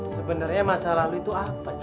sebenarnya masa lalu itu apa sih